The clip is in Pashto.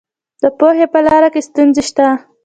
د پوهې په لاره کې ستونزې شته.